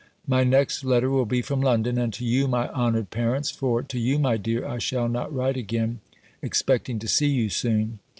My next letter will be from London, and to you, my honoured parents; for to you, my dear, I shall not write again, expecting to see you soon.